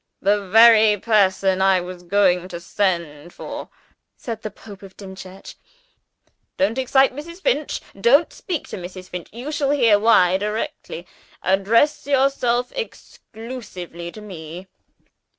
"The very person I was going to send for!" said the Pope of Dimchurch. "Don't excite Mrs. Finch! Don't speak to Mrs. Finch! You shall hear why directly. Address yourself exclusively to Me.